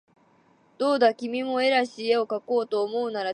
どうだ君も画らしい画をかこうと思うならちと写生をしたら